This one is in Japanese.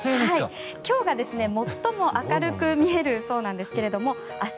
今日が最も明るく見えるそうなんですが明日